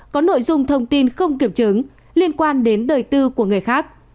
có nội dung thông tin không kiểm chứng liên quan đến đời tư của người khác